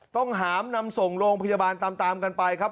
ต้องหามนำส่งโรงพยาบาลตามกันไปครับ